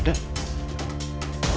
kok gak ada